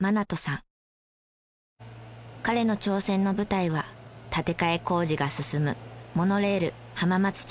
彼の挑戦の舞台は建て替え工事が進むモノレール浜松町駅です。